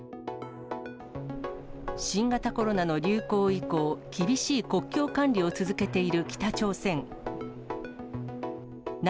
新型コロナの流行以降、厳しい国境管理を続けている北朝鮮。